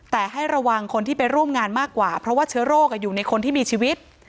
แต่ให้ระวังคนที่ไปร่วมงานมากกว่าเพราะว่าเชื้อโรคอยู่ในคนที่มีชีวิต